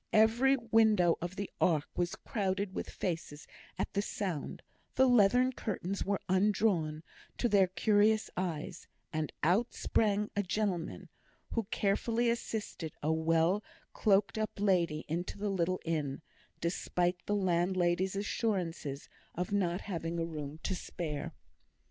Every window of the ark was crowded with faces at the sound; the leathern curtains were undrawn to their curious eyes, and out sprang a gentleman, who carefully assisted a well cloaked up lady into the little inn, despite the landlady's assurances of not having a room to spare.